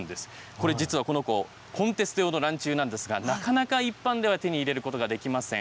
これ、実はこの子、コンテスト用のらんちゅうなんですが、なかなか一般では手に入れることができません。